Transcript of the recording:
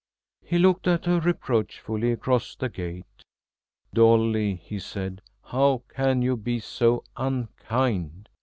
He looked at her reproachfully across the gate. "Dolly," he said, "how can you be so unkind?